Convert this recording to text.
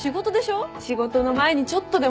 仕事の前にちょっとでもと思ってさ。